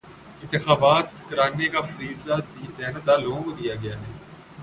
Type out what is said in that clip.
انتخابات کرانے کا فریضہ دیانتدار لوگوں کو دیا گیا ہے